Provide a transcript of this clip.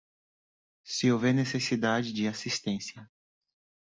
Se houver necessidade de assistência